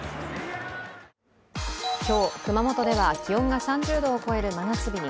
今日、熊本では気温が３０度を超える真夏日に。